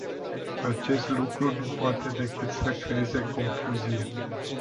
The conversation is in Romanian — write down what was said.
Acest lucru nu poate decât să creeze confuzie.